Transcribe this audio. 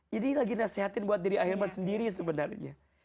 jadi lagi nasehatin buat diri ahil man sendiri sebenarnya